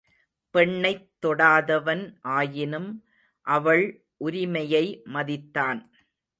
பெண்ணைத் தொடாதவன் ஆயினும் அவள் உரிமையை மதித்தான்.